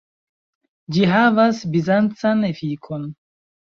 Ĝi havas bizancan efikon.